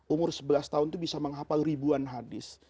umur sebelas tahun itu bisa menghapal ribuan hadis